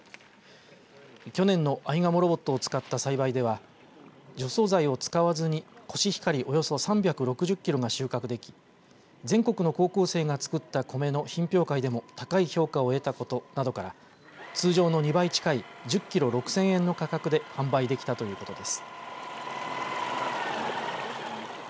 去年のあいがもロボットを使った栽培では除草剤を使わずにコシヒカリおよそ３６０キロが収穫でき全国の高校生が作った米の品評会でも高い評価を得たことなどから通常の２倍近い１０キロ６０００円の価格で販売できたということです。